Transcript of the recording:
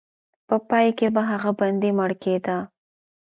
په پای کې به هغه بندي مړ کېده.